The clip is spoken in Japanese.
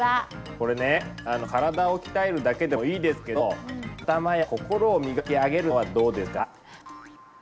これね体を鍛えるだけでもいいですけど頭や心を磨き上げるのはどうですか？